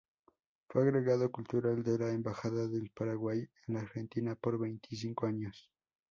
Fue Agregado Cultural de la Embajada del Paraguay en la Argentina por veinticinco años.